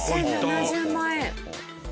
１０７０万円。